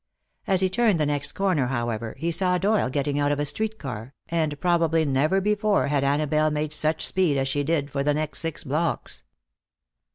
As he turned the next corner, however, he saw Doyle getting off a streetcar, and probably never before had Annabelle made such speed as she did for the next six blocks.